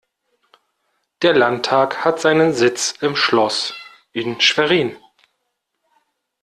Der Landtag hat seinen Sitz im Schloß in Schwerin.